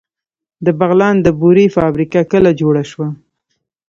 د بغلان د بورې فابریکه کله جوړه شوه؟